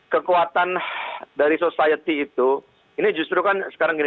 kekuatan dari society itu ini justru kan sekarang gini